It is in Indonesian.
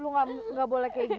lu nggak boleh kayak gitu bu